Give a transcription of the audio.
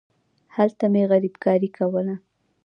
هلته مې غريبکاري کوله.